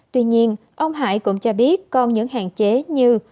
tuy nhiên ông hải cũng cho biết còn những hạn chế như